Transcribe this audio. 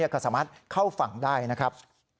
ก็สามารถเข้าฝั่งได้นะครับ